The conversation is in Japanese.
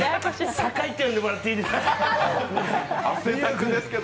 酒井って呼んでもらっていいですか。